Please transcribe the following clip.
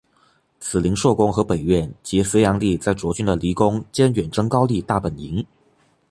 此临朔宫和北苑即隋炀帝在涿郡的离宫兼远征高丽大本营。